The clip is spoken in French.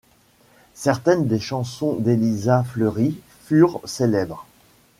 Certaines des chansons d'Élisa Fleury furent célèbres.